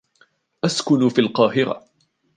أسكن في القاهرة.